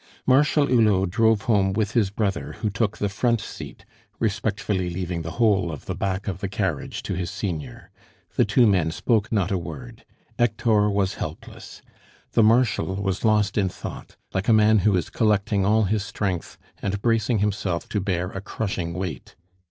Marshal Hulot drove home with his brother, who took the front seat, respectfully leaving the whole of the back of the carriage to his senior. The two men spoke not a word. Hector was helpless. The Marshal was lost in thought, like a man who is collecting all his strength, and bracing himself to bear a crushing weight.